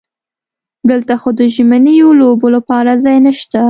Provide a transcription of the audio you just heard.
دلته خو د ژمنیو لوبو لپاره ځای نشته.